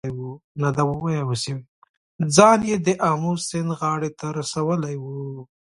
ځان یې د آمو سیند غاړې ته رسولی و.